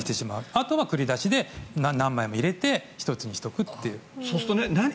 あとは繰り出して何枚も入れて１つにしておくという。